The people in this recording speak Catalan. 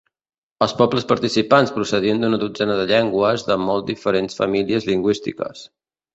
Els pobles participants procedien d'una dotzena de llengües de molt diferents famílies lingüístiques.